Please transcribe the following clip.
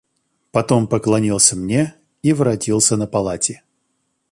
Потом поклонился мне и воротился на полати.